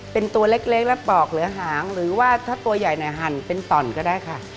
เป็นตัวเล็กและปอกเหลือหางหรือว่าถ้าตัวใหญ่หั่นเป็นต่อนก็ได้ค่ะ